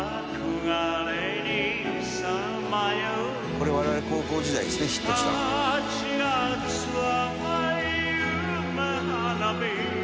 「これ我々高校時代ですねヒットしたのは」